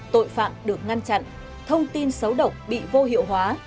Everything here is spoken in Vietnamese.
tội phạm được ngăn chặn thông tin xấu độc bị vô hiệu hóa